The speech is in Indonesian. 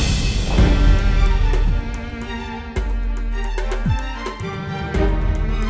kita sekarang sudah menjadi teman